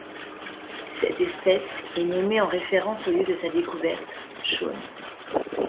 Cette espèce est nommée en référence au lieu de sa découverte, Chone.